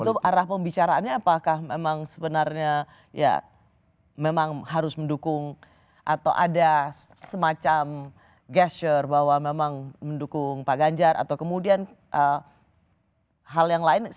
dan arah pembicaraannya apakah memang sebenarnya ya memang harus mendukung atau ada semacam gesture bahwa memang mendukung pak ganjar atau kemudian hal yang lain